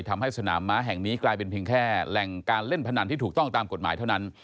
ทำให้สนามม้าแห่งนี้กลายเป็นเพียงแค่แหล่งการเล่นพนันที่ถูกต้องตามกฎหมายเท่านั้น